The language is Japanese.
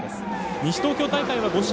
西東京大会は５試合